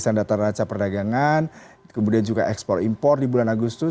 berdasarkan data raca perdagangan kemudian juga ekspor impor di bulan agustus